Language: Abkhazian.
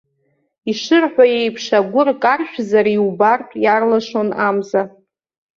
Ишырҳәо еиԥш, агәыр каршәзар иубартә иарлашон амза.